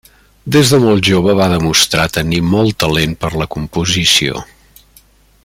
Des de molt jove va demostrar tenir molt talent per a la composició.